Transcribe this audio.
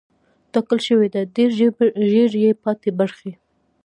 ټاکل شوې ده ډېر ژر یې پاتې برخې